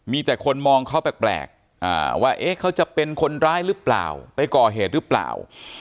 มีแต่คนมองเขาแปลกว่าเขาจะเป็นคนร้ายหรือเปล่าไปก่อเหตุหรือเปล่า